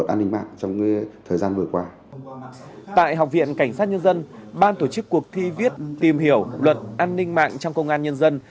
tại học viện cảnh sát nhân dân ban tổ chức cuộc thi viết tìm hiểu luật an ninh mạng trong công an nhân dân